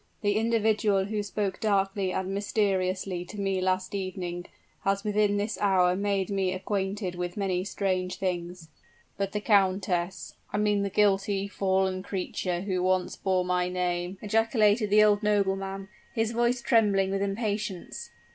The individual who spoke darkly and mysteriously to me last evening, has within this hour made me acquainted with many strange things." "But the countess? I mean the guilty, fallen creature who once bore my name?" ejaculated the old nobleman, his voice trembling with impatience.